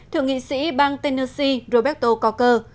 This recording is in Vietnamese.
thượng nghị sĩ bang tennessee roberto coker